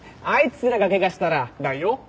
あいつらがケガしたらだよ。